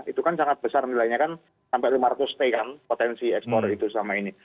itu kan sangat besar nilainya kan sampai lima ratus t kan potensi ekspor itu selama ini